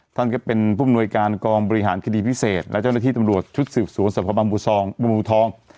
ท่านก็เป็นผู้มนวยการกองบริหารคดีพิเศษและเจ้าหน้าที่ตำรวจชุดสืบสวนสภบังบูทอง